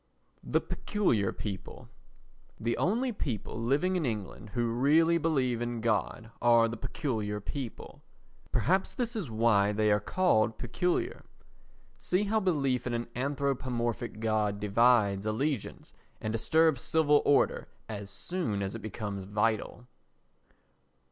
The Peculiar People The only people in England who really believe in God are the Peculiar People. Perhaps that is why they are called peculiar. See how belief in an anthropomorphic God divides allegiance and disturbs civil order as soon as it becomes vital.